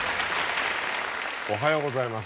おはようございます。